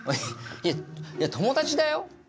いや、友達だよ。